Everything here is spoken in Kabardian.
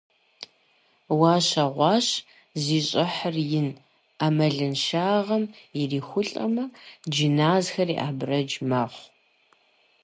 – Ущагъэуащ, зи щӀыхьыр ин, Ӏэмалыншагъэм ирихулӀэмэ, джыназхэри абрэдж мэхъу.